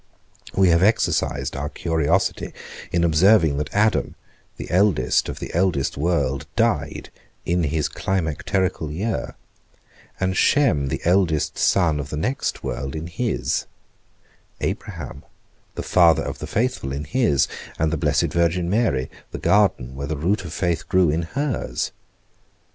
We have exercised our curiosity in observing that Adam, the eldest of the eldest world, died in his climacterical year, and Shem, the eldest son of the next world, in his; Abraham, the father of the faithful, in his, and the blessed Virgin Mary, the garden where the root of faith grew, in hers.